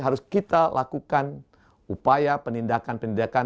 harus kita lakukan upaya penindakan penindakan